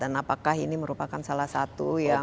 apakah ini merupakan salah satu yang